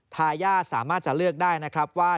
ทายาทสามารถจะเลือกได้นะครับว่า